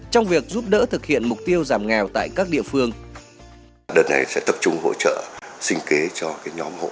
trong việc giúp đỡ thực hiện mục tiêu giảm nghèo tại các địa phương